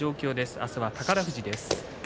明日は宝富士です。